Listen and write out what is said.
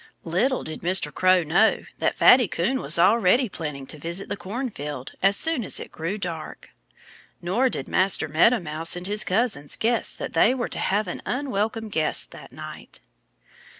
Little did Mr. Crow know that Fatty Coon was already planning to visit the cornfield as soon as it grew dark. Nor did Master Meadow Mouse and his cousins guess that they were to have an unwelcome guest that night.